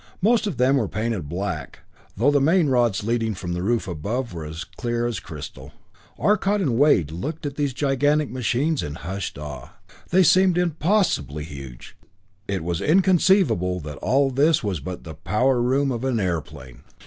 Most of them were painted black, though the main rods leading from the roof above were as clear as crystal. Arcot and Wade looked at these gigantic machines in hushed awe. They seemed impossibly huge; it was inconceivable that all this was but the power room of an airplane!